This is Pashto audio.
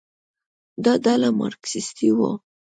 دا ډله مارکسیستي وه.